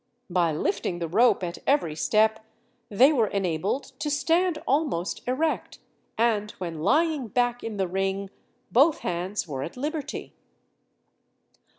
By lifting the rope at every step they were enabled to stand almost erect, and when lying back in the ring both hands were at liberty.